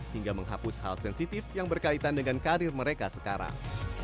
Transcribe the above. hingga menghapus hal sensitif yang berkaitan dengan karir mereka sekarang